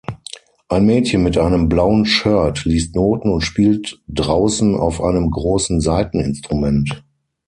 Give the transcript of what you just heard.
Ein Mädchen mit einem blauen Shirt liest Noten und spielt draußen auf einem großen Saiteninstrument.